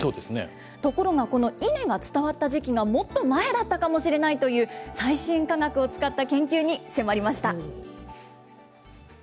ところがこのイネが伝わった時期がもっと前だったかもしれないという、最新科学を使った研究に迫りました。